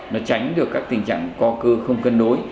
nó tránh được các tình trạng co cơ không cân đối